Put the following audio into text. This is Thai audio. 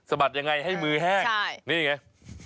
สะบัดอย่างไรให้มือแห้งนี่ไง